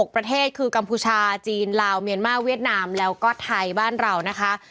ประเทศคือกัมพูชาจีนลาวเมียนมาเวียดนามแล้วก็ไทยบ้านเรานะคะ